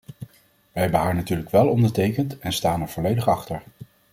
Wij hebben haar natuurlijk wel ondertekend en staan er volledig achter.